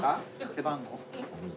背番号？